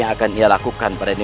jangan lupa untuk berhenti